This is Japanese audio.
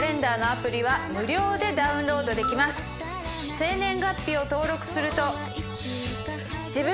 生年月日を登録すると。